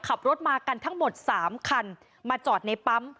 ขับรถมากันทั้งหมด๓คันมาจอดในปั๊ม